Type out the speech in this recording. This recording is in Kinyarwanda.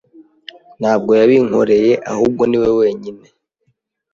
Ntabwo yabinkoreye ahubwo ni we wenyine.